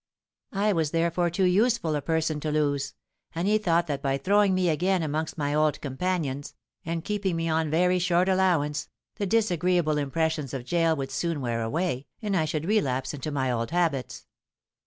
I was therefore too useful a person to lose; and he thought that by throwing me again amongst my old companions, and keeping me on very short allowance, the disagreeable impressions of gaol would soon wear away, and I should relapse into my old habits.